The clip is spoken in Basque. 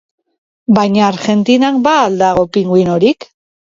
Baina Argentinan ba al dago pinguinorik?